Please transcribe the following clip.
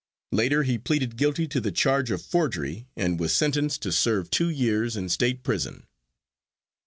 Later he pleaded guilty to the charge of forgery and was sentenced to serve two years in state prison.